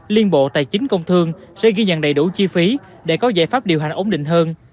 liên bộ tài chính công thương sẽ ghi nhận đầy đủ chi phí để có giải pháp điều hành ổn định hơn